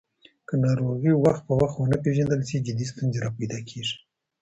که ناروغي وخت په وخت ونه پیژندل شي، جدي ستونزې راپیدا کېږي.